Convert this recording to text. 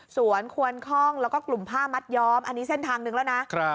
ควรคล่องแล้วก็กลุ่มผ้ามัดย้อมอันนี้เส้นทางหนึ่งแล้วนะ